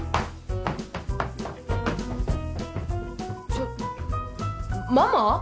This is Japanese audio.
ちょっママ？